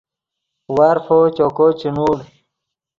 وارفو چوکو چے نوڑ